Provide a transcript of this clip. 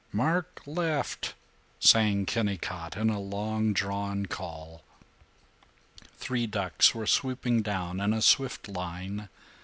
"Mark left!" sang Kennicott, in a long drawn call. Three ducks were swooping down in a swift line.